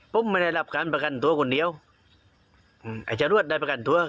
ผมไม่ได้รับคารประกันทัวต์คนเดียวจะยอดได้ประกันทัวต์